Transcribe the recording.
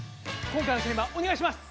今回のテーマお願いします！